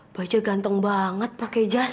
baja ganteng banget pake jazz